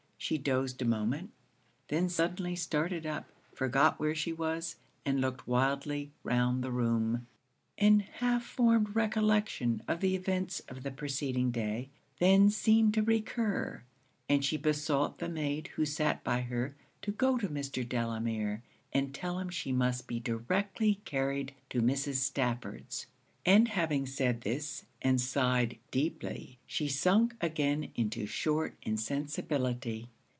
She dozed a moment; then suddenly started up, forgot where she was, and looked wildly round the room. An half formed recollection of the events of the preceding day then seemed to recur, and she besought the maid who sat by her to go to Mr. Delamere and tell him she must be directly carried to Mrs. Stafford's; and having said this, and sighed deeply, she sunk again into short insensibility.